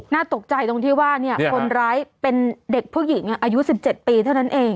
น่าตกใจตรงที่ว่าคนร้ายเป็นเด็กผู้หญิงอายุ๑๗ปีเท่านั้นเอง